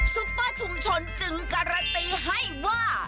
ซุปเปอร์ชุมชนจึงการันตีให้ว่า